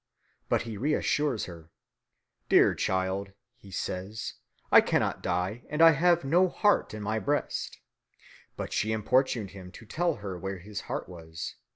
But he reassures her. "Dear child," he said, "I cannot die, and I have no heart in my breast." But she importuned him to tell her where his heart was.